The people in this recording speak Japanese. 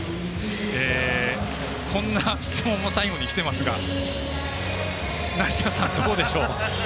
こんな質問も最後に来ていますが梨田さん、どうでしょう。